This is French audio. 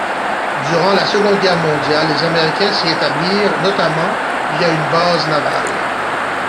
Durant la Seconde Guerre mondiale, les Américains s'y établirent, notamment via une base navale.